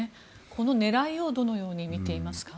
この狙いをどのように見ていますか？